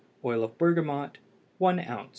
Oil of bergamot 1 oz.